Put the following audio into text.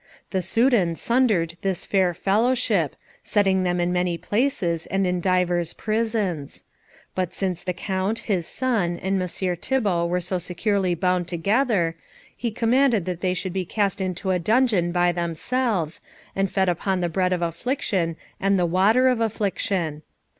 The Soudan sundered this fair fellowship, setting them in many places and in divers prisons; but since the Count, his son, and Messire Thibault were so securely bound together, he commanded that they should be cast into a dungeon by themselves, and fed upon the bread of affliction and the water of affliction.